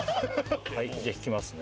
じゃあ引きますね。